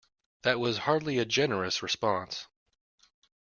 That was hardly a generous response.